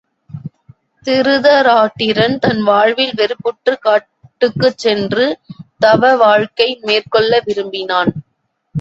திருதராட்டிரன் தன் வாழ்வில் வெறுப்புற்றுக் காட்டுக்குச் சென்று தவ வாழ்க்கை மேற்கொள்ள விரும்பினான்.